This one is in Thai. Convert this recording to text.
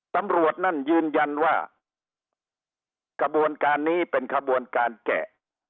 ตำรวจนั่นยืนยันว่ากระบวนการนี้เป็นขบวนการแกะ